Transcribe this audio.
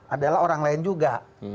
adalah orang lain juga